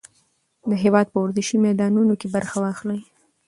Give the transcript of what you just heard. د هېواد په ورزشي میدانونو کې برخه واخلئ.